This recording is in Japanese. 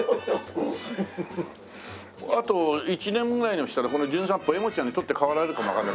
あと１年ぐらいしたらこの『じゅん散歩』えもっちゃんに取って代わられるかもわからない。